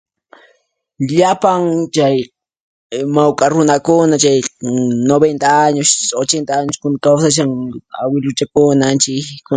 Llapan chay mawk'a runakuna chay 90 años, 80 años kunan trabahashan awiluchakuna anchay.